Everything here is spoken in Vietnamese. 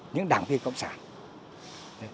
những đảng viên cộng sản